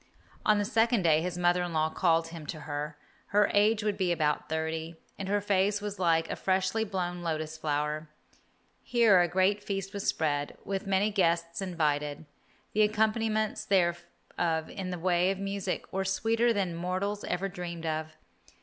On the second day his mother in law called him to her. Her age would be about thirty, and her face was like a freshly blown lotus flower. Here a great feast was spread, with many guests invited. The accompaniments thereof in the way of music were sweeter than mortals ever dreamed of.